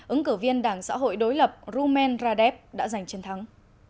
ứng cử viên đảng xã hội đối lập rumen radev đã giành chiến thắng